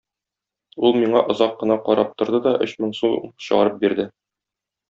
Ул миңа озак кына карап торды да өч мең сум чыгарып бирде!